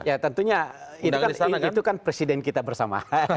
ya tentunya itu kan presiden kita bersama